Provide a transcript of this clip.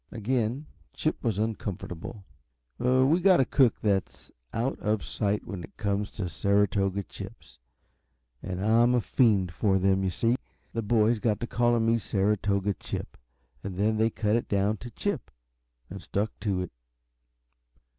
Again Chip was uncomfortable. "We've got a cook that is out of sight when it comes to Saratoga chips, and I'm a fiend for them, you see. The boys got to calling me Saratoga Chip, and then they cut it down to Chip and stuck to it."